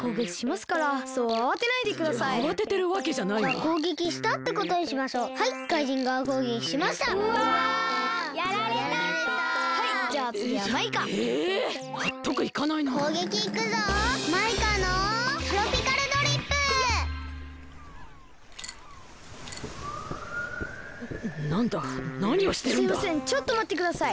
すいませんちょっとまってください。